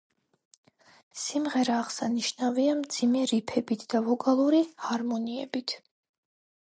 სიმღერა აღსანიშნავია მძიმე რიფებით და ვოკალური ჰარმონიებით.